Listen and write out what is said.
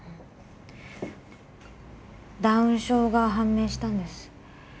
ダウン症が判明したんです